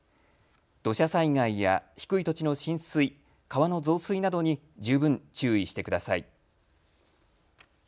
土砂災害や低い土地の浸水、川の増水などに十分注意してください。